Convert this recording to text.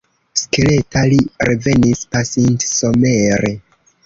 Skeleta li revenis pasintsomere.